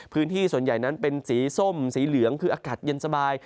พื้นที่ส่วนใหญ่นั้นเป็นสีส้มสีเหลืองคืออากาศเย็นสบาย